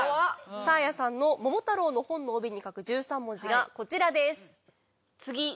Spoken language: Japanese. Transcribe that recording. サーヤさんの『桃太郎』の本の帯に書く１３文字がこちらです。